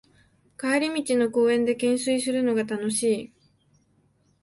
帰り道の公園でけんすいするのが楽しい